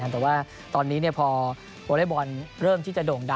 แต่ว่าตอนนี้พอวอเล็กบอลเริ่มที่จะโด่งดัง